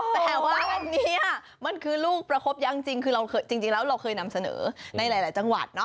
แต่ว่าอันนี้มันคือลูกประคบยังจริงคือเราจริงแล้วเราเคยนำเสนอในหลายจังหวัด